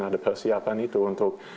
ada persiapan itu untuk